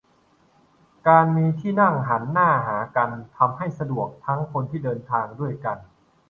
การมีที่นั่งหันหน้าหากันทำให้สะดวกทั้งคนที่เดินทางด้วยกัน